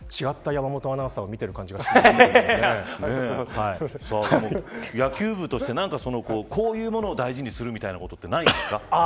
また違った山本アナウンサーを野球部として何かこういうものを大事にするみたいなことってないんですか。